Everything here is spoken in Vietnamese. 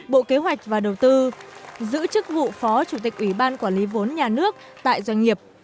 bộ kế hoạch và đầu tư giữ chức vụ phó chủ tịch ủy ban quản lý vốn nhà nước tại doanh nghiệp